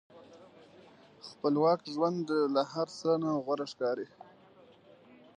خپلواک ژوند له هر څه نه غوره ښکاري.